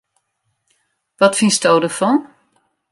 Wat fynsto derfan?